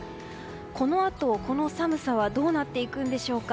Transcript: このあと、この寒さはどうなっていくんでしょうか。